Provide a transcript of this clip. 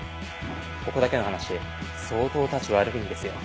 ここだけの話相当たち悪いんですよ。